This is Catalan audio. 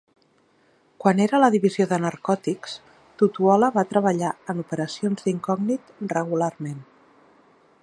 Quan era a la divisió de narcòtics, Tutuola va treballar en operacions d'incògnit regularment.